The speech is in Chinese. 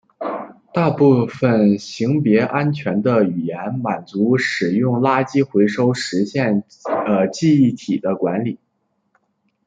大部分型别安全的语言满足使用垃圾回收实现记忆体的管理。